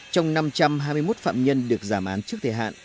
trong năm trăm hai mươi một phạm nhân được giảm án trước thời hạn